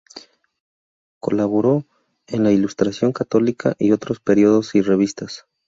Colaboró en la Ilustración Católica y otros periódicos y revistas.